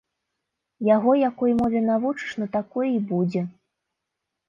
Яго якой мове навучыш, на такой і будзе.